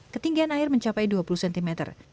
ketinggian air mencapai dua puluh cm